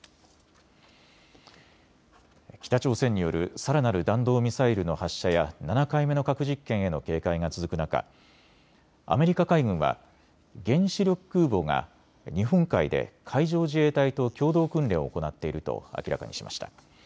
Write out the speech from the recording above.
北朝鮮によるさらなる弾道ミサイルの発射や７回目の核実験への警戒が続く中、アメリカ海軍は原子力空母が日本海で海上自衛隊と共同訓練を行っていると明らかにしました。